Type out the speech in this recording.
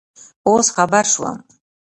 اوس خبر شوم